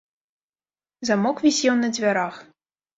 Замок вісеў на дзвярах.